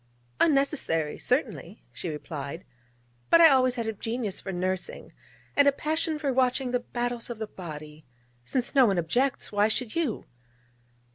'Unnecessary certainly,' she replied: 'but I always had a genius for nursing, and a passion for watching the battles of the body. Since no one objects, why should you?'